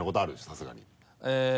さすがに。